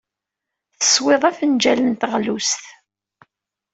Teswiḍ afenjal n teɣlust.